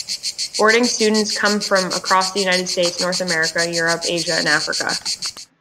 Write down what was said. Boarding students come from across the United States, North America, Europe, Asia, and Africa.